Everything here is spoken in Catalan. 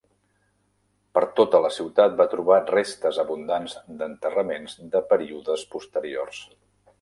Per tota la ciutat va trobar restes abundants d'enterraments de períodes posteriors.